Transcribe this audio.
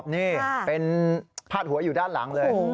นี่เป็นพาดหัวอยู่ด้านหลังเลย